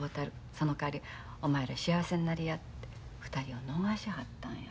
そのかわりお前ら幸せになれや」て２人を逃しはったんや。